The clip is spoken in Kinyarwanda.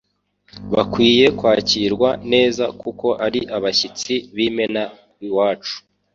Bakwiye kwakirwa neza kuko ari abashyitsi b'imena iwacu.